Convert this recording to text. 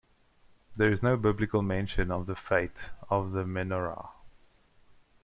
There is no biblical mention of the fate of the menorah.